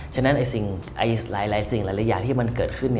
ฉะนั้นหลายสิ่งหลายอย่างที่มันเกิดขึ้น